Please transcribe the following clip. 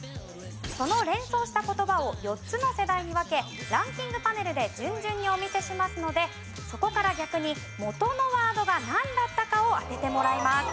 その連想した言葉を４つの世代に分けランキングパネルで順々にお見せしますのでそこから逆に元のワードがなんだったかを当ててもらいます。